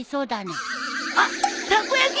あったこ焼き。